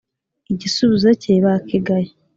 igisubizo cye bakigaye